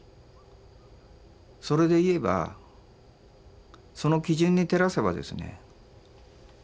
それで言えばその基準に照らせばですね